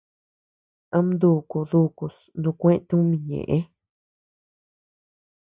Am duku dukus nukue tumi ñeʼe.